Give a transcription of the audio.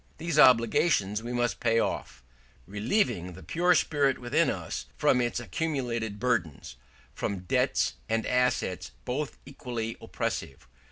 These obligations we must pay off, relieving the pure spirit within us from its accumulated burdens, from debts and assets both equally oppressive.